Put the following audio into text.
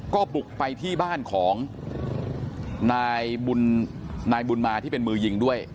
ก็บุกไปที่บ้านของนายบุญมาที่เป็นมือยิงด้วย